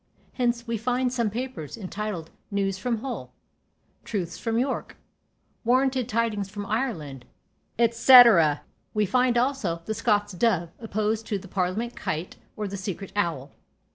Hence we find some papers, entitled "News from Hull," "Truths from York," "Warranted Tidings from Ireland," &c. We find also, "The Scots' Dove" opposed to "The Parliament Kite," or "The Secret Owl."